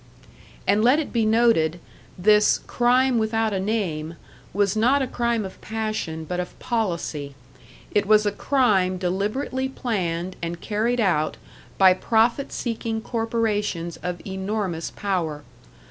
And let it be noted, this "crime without a name" was not a crime of passion, but of policy; it was a crime deliberately planned and carried out by profit seeking corporations of enormous power.